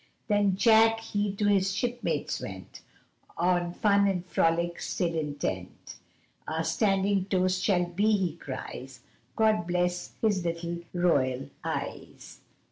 Then Jack he to his shipmates went, On fun and frolic still intent Our standing toast shall be, he cries, 'God bless his little Royal eyes!